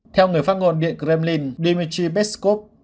theo người phát ngôn địa kremlin dmitry peskov